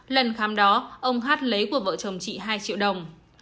lần khám đó ông hát lấy của vợ chồng chị hai triệu đồng